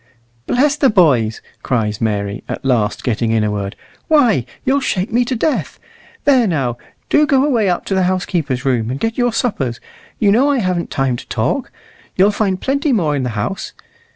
"Bless the boys!" cries Mary, at last getting in a word; "why, you'll shake me to death. There, now, do go away up to the housekeeper's room and get your suppers; you know I haven't time to talk. You'll find plenty more in the house.